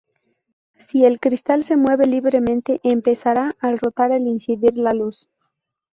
Si el cristal se mueve libremente, empezará al rotar al incidir la luz.